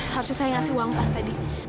harusnya saya ngasih uang pas tadi